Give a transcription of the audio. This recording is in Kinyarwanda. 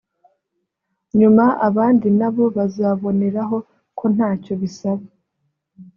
nyuma abandi na bo bazaboneraho ko ntacyo bisaba